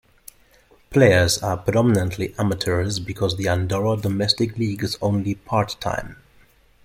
Players are predominantly amateurs because the Andorra domestic league is only part-time.